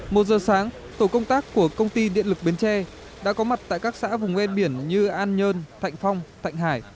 một giờ sáng tổ công tác của công ty điện lực bến tre đã có mặt tại các xã vùng ven biển như an nhơn thạnh phong thạnh hải